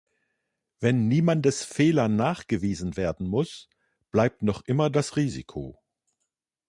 Wenn niemandes Fehler nachgewiesen werden muss, bleibt noch immer das Risiko.